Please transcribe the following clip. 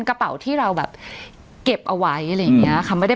กระเป๋าที่เราแบบเก็บเอาไว้อะไรอย่างเงี้ยค่ะไม่ได้